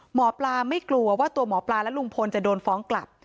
หมอปลาไม่กลัวว่าตัวหมอปลาและลุงพลจะโดนฟ้องกลับ